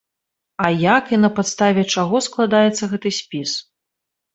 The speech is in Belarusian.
А як і на падставе чаго складаецца гэты спіс?